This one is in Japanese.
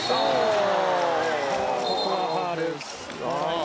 ここはファウル。